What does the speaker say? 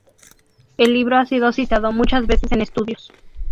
El libro ha sido citado muchas veces en estudios.